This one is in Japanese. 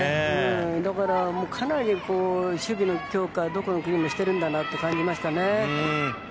だから、かなり守備の強化をどこの国もしてるんだなって感じましたね。